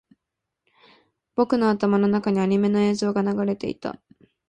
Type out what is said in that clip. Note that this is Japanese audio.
僕の頭の中にアニメの映像が流れていた